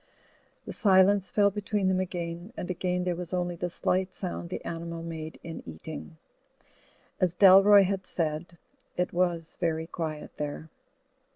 The silence fell between them again, and again there was only the slight sound the animal made in eating. As Dalroy had said, it was very quiet there.